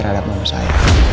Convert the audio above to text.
terhadap mama saya